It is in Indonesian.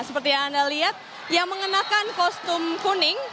seperti yang anda lihat yang mengenakan kostum kuning